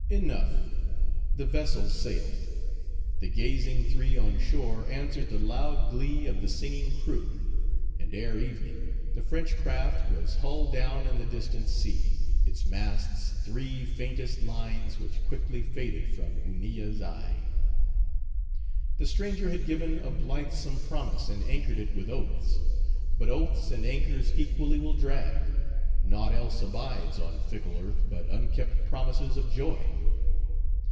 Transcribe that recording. Enough: the vessel sailed; the gazing three on shore answered the loud glee of the singing crew; and ere evening, the French craft was hull down in the distant sea, its masts three faintest lines which quickly faded from Hunilla's eye. The stranger had given a blithesome promise, and anchored it with oaths; but oaths and anchors equally will drag; naught else abides on fickle earth but unkept promises of joy.